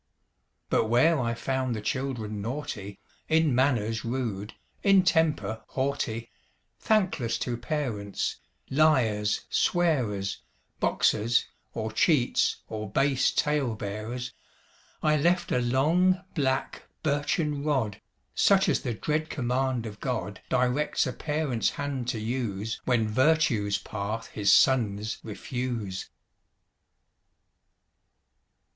But where I found the children naughty, In manners rude, in temper haughty, Thankless to parents, liars, swearers, Boxers, or cheats, or base tale bearers, I left a long, black, birchen rod, Such as the dread command of God Directs a Parent's hand to use When virtue's path his sons refuse.